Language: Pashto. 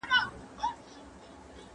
اقتصادي پرمختیا مهمه پروسه ده.